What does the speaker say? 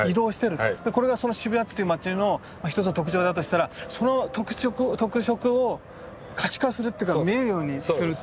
これがその渋谷っていう街の一つの特徴だとしたらその特色を可視化するっていうか見えるようにするっていう。